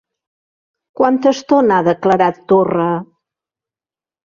Quanta estona ha declarat Torra?